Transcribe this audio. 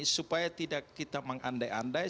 supaya tidak kita mengandai andai